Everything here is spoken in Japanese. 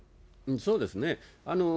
そうですね。